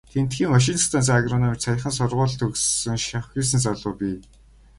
Тэндхийн машинт станцын агрономич, саяхан сургууль төгссөн шавхийсэн залуу бий.